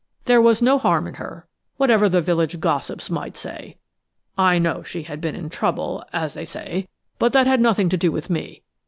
There was no harm in her, whatever the village gossips might say. I know she had been in trouble, as they say, but that had nothing to do with me.